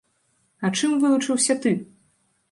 А чым вылучыўся ты?